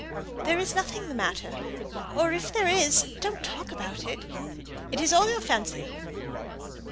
"There's nothing the matter, or, if there is, don't talk about it. It's all your fancy."